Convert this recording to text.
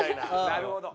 なるほど。